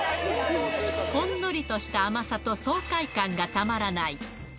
ほんのりとした甘さと爽快感がたまらない。